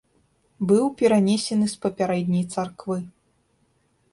Быў перанесены з папярэдняй царквы.